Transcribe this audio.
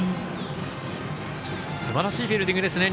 すばらしいフィールディングでしたね